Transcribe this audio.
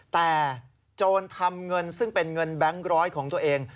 แต่โจรทำเงินซึ่งเป็นเงินแบงค์ร้อยของตัวเอง